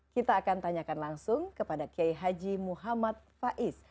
kita akan tanyakan langsung kepada k h m faiz